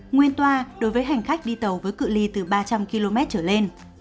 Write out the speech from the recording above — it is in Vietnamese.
nguyên toa đối với hành khách đi tàu với cự li từ ba trăm linh km trở lên